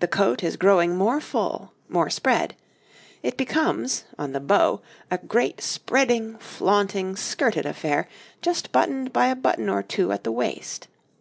The coat is growing more full, more spread; it becomes, on the beau, a great spreading, flaunting, skirted affair just buttoned by a button or two at the waist.